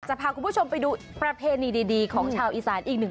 พาคุณผู้ชมไปดูประเพณีดีของชาวอีสานอีกหนึ่ง